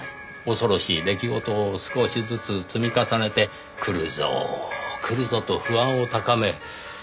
恐ろしい出来事を少しずつ積み重ねて来るぞ来るぞと不安を高め。